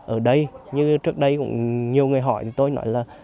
ở đây như trước đây cũng nhiều người hỏi thì tôi nói là